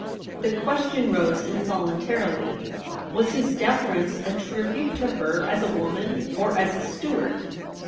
The question rose involuntarily — was his deference a tribute to her as a woman or as a Stuart